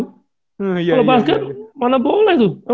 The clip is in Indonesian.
kalau basket mana boleh tuh